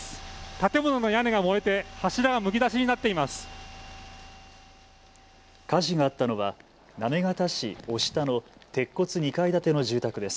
建物の屋根が燃えて柱がむき出しになっています。